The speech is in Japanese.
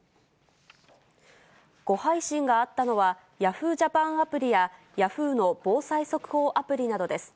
誤配信があったのは、ヤフージャパンアプリや、ヤフーの防災速報アプリなどです。